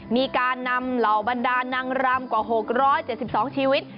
มีการนำเหล่าบรรดานางรำกว่า๖๗๒ชีวิต